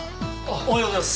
おはようございます。